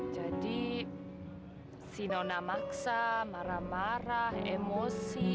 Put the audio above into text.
jadi si nona maksa marah marah emosi